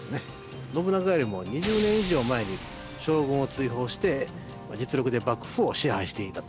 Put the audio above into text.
信長よりも２０年以上前に将軍を追放して実力で幕府を支配していたと。